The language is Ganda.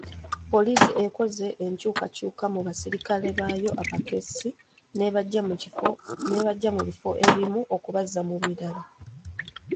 Poliisi ekoze enkyukakyuka mu basirikale baayo abakessi n'ebaggya mu bifo ebimu okubazza mu birala.